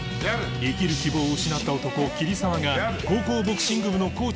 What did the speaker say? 生きる希望を失った男桐沢が高校ボクシング部のコーチとなり